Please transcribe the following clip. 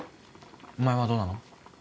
お前はどうなの？